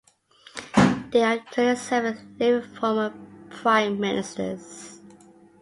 There are currently seven living former prime ministers.